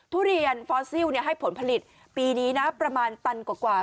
ทุเรียนฟอสซิลให้ผลผลิตปีนี้นะประมาณตันกว่า